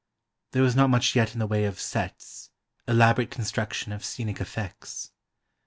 There was not much yet in the way of "sets," elaborate construction of scenic effects.